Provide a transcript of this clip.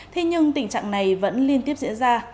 thế nhưng tình trạng này vẫn liên tiếp diễn ra